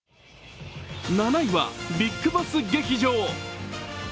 ７位は、ビッグボス劇場。